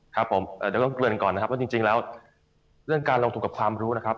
ครับผมเดี๋ยวต้องเกลือนก่อนนะครับว่าจริงแล้วเรื่องการลงทุนกับความรู้นะครับ